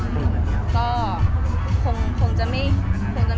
แม็กซ์ก็คือหนักที่สุดในชีวิตเลยจริง